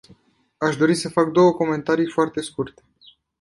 Aș dori să fac două comentarii foarte scurte.